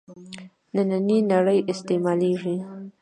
نننۍ نړۍ استعمالېږي.